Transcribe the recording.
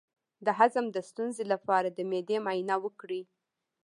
د هضم د ستونزې لپاره د معدې معاینه وکړئ